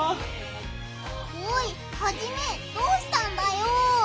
おいハジメどうしたんだよ！